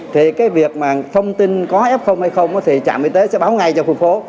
thì cái việc mà thông tin có f hay không thì trạm y tế sẽ báo ngay cho khu phố